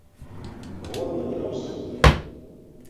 Годна і на ўзроўні.